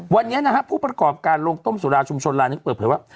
วันนี้นะฮะผู้ประกอบการโรงต้มสุราชุมชนลายหนึ่งเปิดเผยว่า